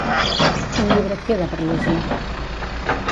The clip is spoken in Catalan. Quin llibre et queda per llegir?